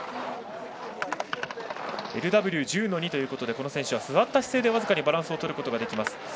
ＬＷ１０−２ということでこの選手は座った姿勢で僅かにバランスをとることができます。